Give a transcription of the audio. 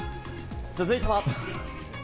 続いては。